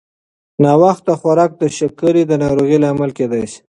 ناوخته خوراک د شکرې د ناروغۍ لامل کېدای شي.